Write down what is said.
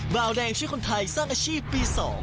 ราวแดงช่วยคนไทยสร้างอาชีพปี๒